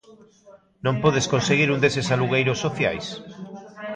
Non podes conseguir un deses alugueiros sociais?